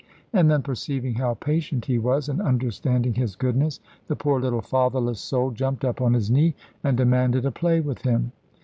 And then perceiving how patient he was, and understanding his goodness, the poor little fatherless soul jumped up on his knee, and demanded a play with him.